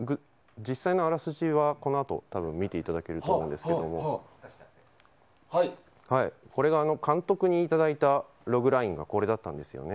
実際のあらすじは、このあと見ていただけると思いますが監督にいただいたログラインがこれだったんです。